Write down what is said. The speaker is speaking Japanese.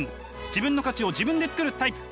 自分の価値を自分で作るタイプ。